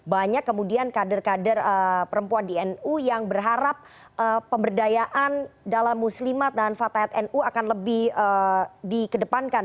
banyak kemudian kader kader perempuan di nu yang berharap pemberdayaan dalam muslimat dan fatayat nu akan lebih dikedepankan